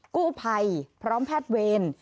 กู้ภัยพร้อมแพทย์เวร